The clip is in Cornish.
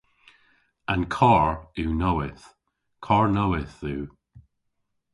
An karr yw nowydh. Karr nowydh yw.